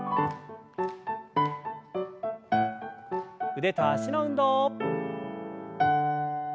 腕と脚の運動。